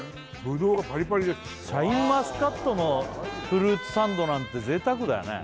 ブドウがパリパリですシャインマスカットのフルーツサンドなんて贅沢だよね